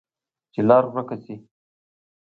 چې لار ورکه شي،